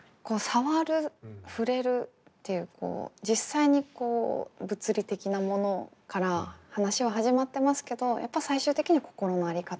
さわるふれるっていう実際に物理的なものから話は始まってますけどやっぱ最終的には心の在り方。